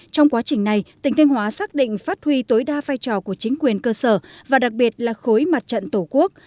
trong quá trình này tỉnh thanh hóa xác định phát huy tối đa vai trò của chính quyền cơ sở và đặc biệt là khối mặt trận tổ quốc